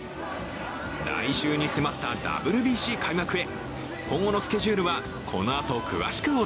来週に迫ったＷＢＣ開幕へ。